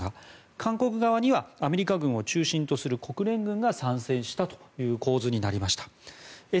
韓国側にはアメリカ軍を中心とする国連軍が参戦したという構図になりました。